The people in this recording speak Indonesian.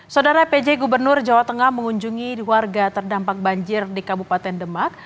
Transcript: saudara pj gubernur jawa tengah mengunjungi warga terdampak banjir di kabupaten demak